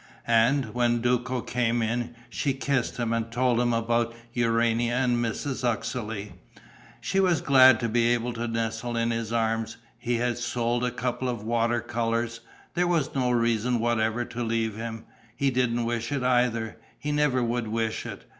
And, when Duco came in, she kissed him and told him about Urania and Mrs. Uxeley. She was glad to be able to nestle in his arms. He had sold a couple of water colours. There was no reason whatever to leave him. He didn't wish it either, he never would wish it.